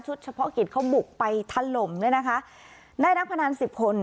เฉพาะกิจเขาบุกไปถล่มเลยนะคะได้นักพนันสิบคน